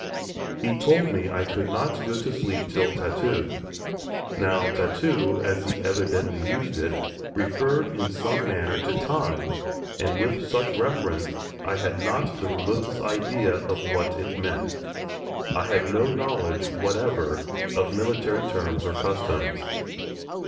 He told me I could not go to sleep till "tattoo." Now tattoo, as he evidently used it, referred in some manner to time, and with such reference I had not the remotest idea of what it meant. I had no knowledge whatever of military terms or customs.